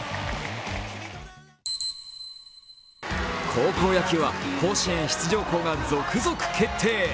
高校野球は甲子園出場校が続々決定。